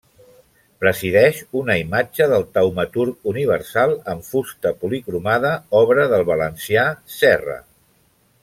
Presideix una imatge del Taumaturg universal en fusta policromada, obra del valencià Serra.